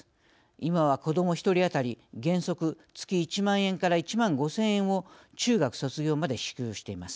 今は、子ども１人当たり原則月１万円１万５０００円を中学卒業まで支給しています。